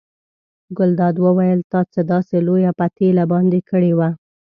ګلداد وویل تا څه داسې لویه پتیله باندې کړې وه.